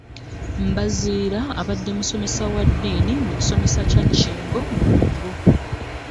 Mbaziira abadde musomesa wa ddiini mu kisomesa Kya Kkingo mu Lwengo